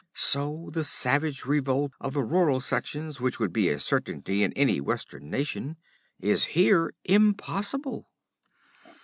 So the savage revolt of the rural sections, which would be a certainty in any Western nation, is here impossible.